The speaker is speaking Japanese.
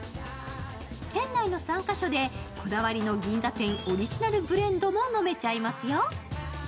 店内の３か所でこだわりの銀座店オリジナルブレンドも飲めちゃいますよ。